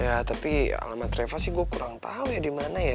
ya tapi alamat reva sih gue kurang tau ya dimana ya